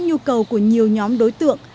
nhu cầu của nhiều nhóm đối tượng